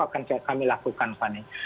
akan kami lakukan fani